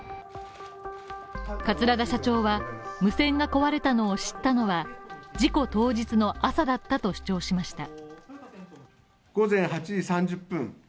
桂田社長は、無線が壊れたのを知ったのは事故当日の朝だったと主張しました。